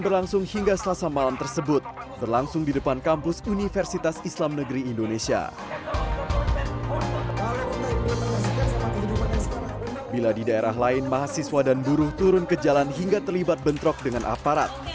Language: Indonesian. bila di daerah lain mahasiswa dan buruh turun ke jalan hingga terlibat bentrok dengan aparat